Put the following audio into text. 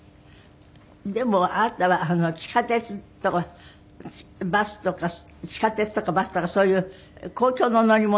でもあなたは地下鉄とかバスとか地下鉄とかバスとかそういう公共の乗り物